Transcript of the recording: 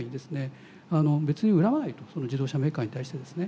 別に恨まないとその自動車メーカーに対してですね。